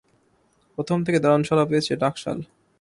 প্রথম থেকে দারুণ সাড়া পেয়েছে টাকশাল।